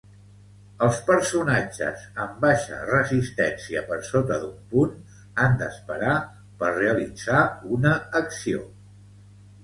Els personatges amb baixa resistència per sota d'un punt han d'esperar per realitzar una acció.